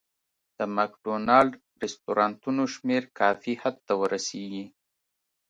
د مک ډونالډ رستورانتونو شمېر کافي حد ته ورسېږي.